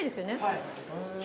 はい。